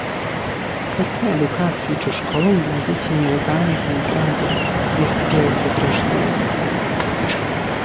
Kwestia edukacji czy szkoleń dla dzieci nielegalnych imigrantów jest wielce drażliwa